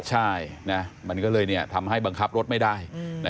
ใช่มันก็เลยทำให้บังคับรถไม่ได้